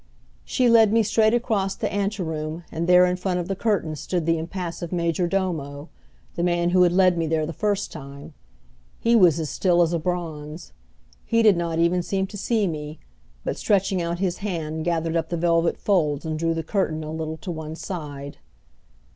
She led me straight across the anteroom and there in front of the curtain stood the impassive major domo, the man who had led me there the first time. He was as still as a bronze. He did not even seem to see me, but stretching out his hand gathered up the velvet folds and drew the curtain a little to one side.